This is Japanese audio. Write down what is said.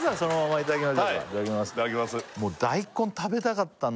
いただきます